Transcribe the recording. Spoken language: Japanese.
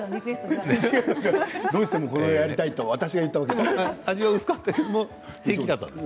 どうしてもやりたいと私が言ったわけではないです。